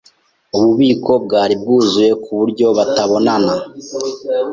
Ububiko bwari bwuzuye ku buryo batabonana.